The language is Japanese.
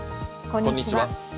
こんにちは。